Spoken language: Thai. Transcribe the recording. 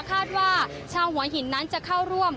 คาดว่าชาวหัวหินนั้นจะเข้าร่วม